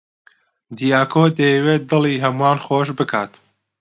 دیاکۆ دەیەوێت دڵی هەمووان خۆش بکات.